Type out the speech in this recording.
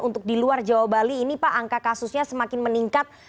untuk di luar jawa bali ini pak angka kasusnya semakin meningkat